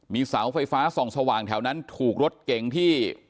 มีเสาไฟฟ้าส่องสว่างแถวนั้นถูกรถเก๋งที่